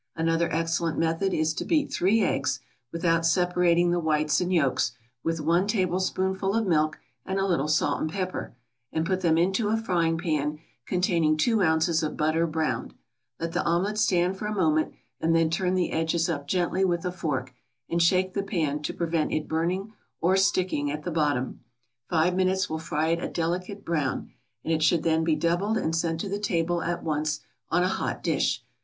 Another excellent method is to beat three eggs, without separating the whites and yolks, with one tablespoonful of milk, and a little salt and pepper, and put them into a frying pan containing two ounces of butter browned; let the omelette stand for a moment, and then turn the edges up gently with a fork, and shake the pan to prevent it burning or sticking at the bottom; five minutes will fry it a delicate brown, and it should then be doubled and sent to the table at once on a hot dish.